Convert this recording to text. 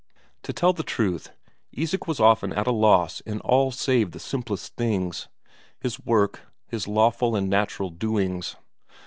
To tell the truth, Isak was often at a loss in all save the simplest things his work, his lawful and natural doings.